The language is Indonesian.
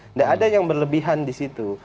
nggak ada yang berlebihan di situ